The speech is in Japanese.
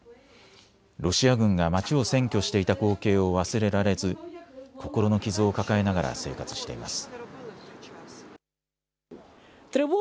ロシア軍が街を占拠していた光景を忘れられず心の傷を抱えながら生活しています。